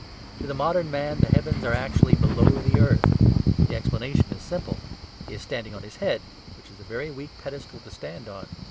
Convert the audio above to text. To the modern man the heavens are actually below the earth. The explanation is simple; he is standing on his head; which is a very weak pedestal to stand on.